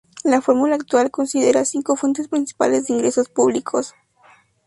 La fórmula actual considera cinco fuentes principales de ingresos públicos.